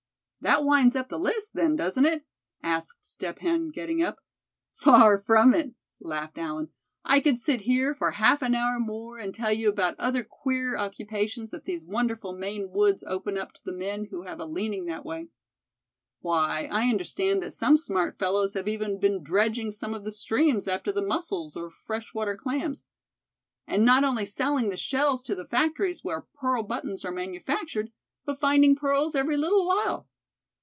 "That winds up the list, then, does it?" asked Step Hen, getting up. "Far from it," laughed Allen. "I could sit here for half an hour more, and tell you about other queer occupations that these wonderful Maine woods open up to the men who have a leaning that way. Why, I understand that some smart fellows have even been dredging some of the streams after the mussels or fresh water clams; and not only selling the shells to the factories where pearl buttons are manufactured, but finding pearls every little while."